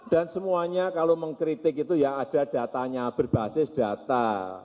dan semuanya kalau mengkritik itu ya ada datanya berbasis data